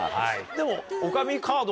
でも。